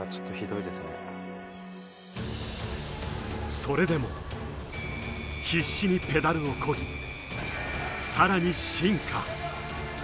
それでも、必死にペダルをこぎ、さらに進化。